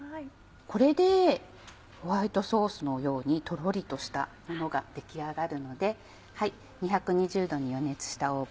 これでホワイトソースのようにとろりとしたものが出来上がるので。